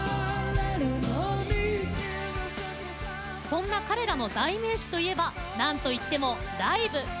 そんな彼らの代名詞といえばなんといってもライブ。